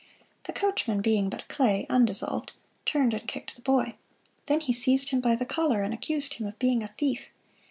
The coachman being but clay (undissolved) turned and kicked the boy. Then he seized him by the collar, and accused him of being a thief.